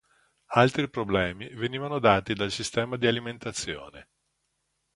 Altri problemi venivano dati dal sistema di alimentazione.